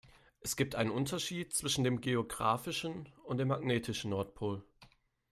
Es gibt einen Unterschied zwischen dem geografischen und dem magnetischen Nordpol.